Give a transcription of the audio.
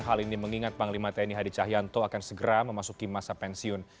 hal ini mengingat panglima tni hadi cahyanto akan segera memasuki masa pensiun